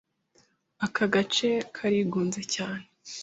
Aka gace karigunze cyane.